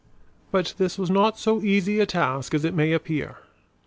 But this was not so easy a task as it may appear.